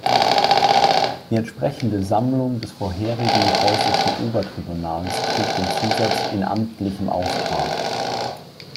Die entsprechende Sammlung des vorherigen Preußischen Obertribunals trug den Zusatz „in amtlichem Auftrag“.